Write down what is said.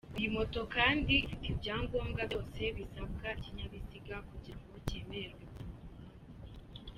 Iyi moto kandi ifite ibyangombwa byose bisabwa ikinyabiziga kugirango kemererwe kujya mu muhanda.